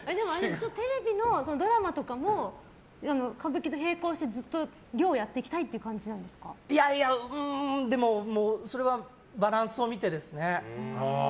テレビのドラマとかも歌舞伎と並行して量をやっていきたいというそれはバランスを見てですね。